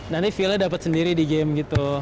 nanti feelnya dapat sendiri di game gitu